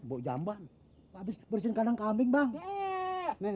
bojamban habis bersihkan kambing bang